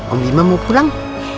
om bima mau pulang